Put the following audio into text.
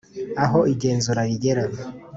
aho igenzura rigera